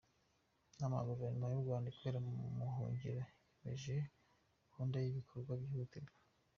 Inama ya Guverinoma y’u Rwanda ikorera mu buhungiro yemeje gahunda n’ibikorwa byihutirwa